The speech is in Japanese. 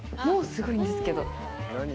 もうすごいんですけど。